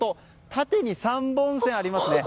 縦に３本線がありますね。